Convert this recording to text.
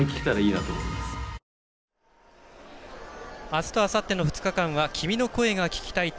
あすとあさっての２日間は「君の声が聴きたい」